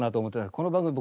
この番組僕